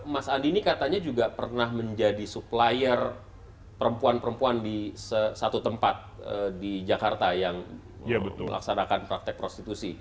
mas andi ini katanya juga pernah menjadi supplier perempuan perempuan di satu tempat di jakarta yang melaksanakan praktek prostitusi